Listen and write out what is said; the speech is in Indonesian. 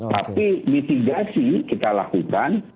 tapi mitigasi kita lakukan